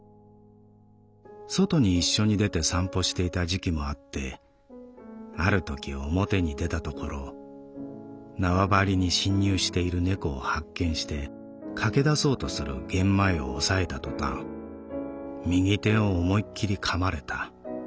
外に一緒に出て散歩していた時期もあってあるとき表に出たところ縄張りに侵入している猫を発見して駆け出そうとするゲンマイを押さえた途端右手を思いっきり噛まれた。